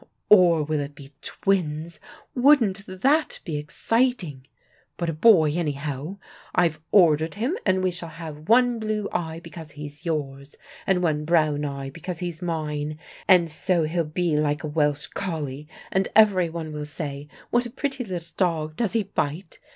Or will it be twins? Wouldn't that be exciting? But a boy anyhow: I've ordered him, and he shall have one blue eye because he's yours and one brown eye because he's mine, and so he'll be like a Welsh collie, and every one will say: 'What a pretty little dog; does he bite?'